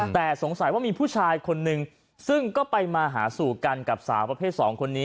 แต่สงสัยว่ามีผู้ชายคนนึงซึ่งก็ไปมาหาสู่กันกับสาวประเภท๒คนนี้